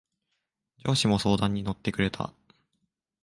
上司も相談に乗ってくれた。